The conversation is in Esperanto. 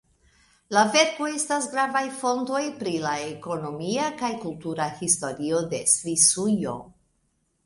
La verkoj estas gravaj fontoj pri la ekonomia kaj kultura historio de Svisujo.